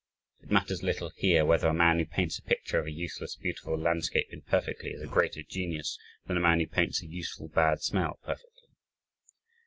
It matters little here whether a man who paints a picture of a useless beautiful landscape imperfectly is a greater genius than the man who paints a useful bad smell perfectly.